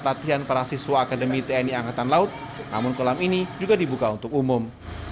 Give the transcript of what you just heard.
latihan para siswa akademi tni angkatan laut namun kolam ini juga dibuka untuk umum